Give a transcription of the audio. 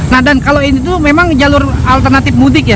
nah dan kalau ini tuh memang jalur alternatif mudik ya